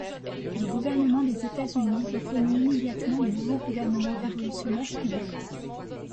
Le gouvernement des États-Unis reconnut immédiatement le nouveau gouvernement révolutionnaire cubain.